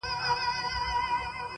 اوس هيڅ خبري مه كوی يارانو ليـونيانـو،